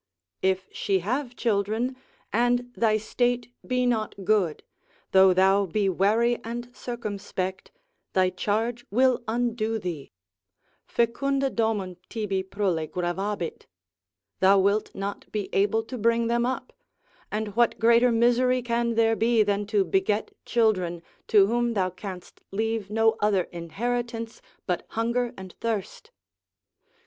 If she have children, and thy state be not good, though thou be wary and circumspect, thy charge will undo thee,—foecunda domum tibi prole gravabit, thou wilt not be able to bring them up, and what greater misery can there be than to beget children, to whom thou canst leave no other inheritance but hunger and thirst?